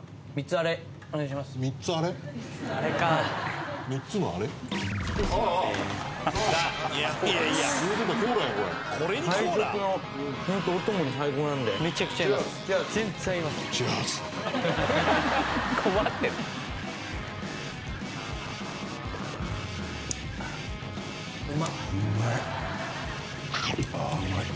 ああうまい。